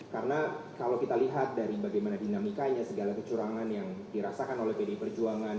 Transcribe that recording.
karena kalau kita lihat dari bagaimana dinamikanya segala kecurangan yang dirasakan oleh pdi perjuangan